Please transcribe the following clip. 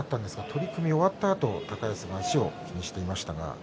取組が終わったあと高安が足を気にしていました。